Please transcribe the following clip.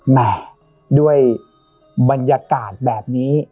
แม่ด้วยบรรยากาศแบบนี้